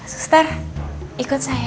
suster ikut saya ya